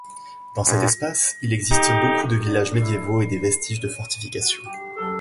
Dans cet espace, il existe beaucoup de villages médiévaux et des vestiges de fortifications.